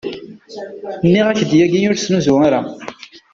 Nniɣ-ak-d yagi ur ssnuzu ara.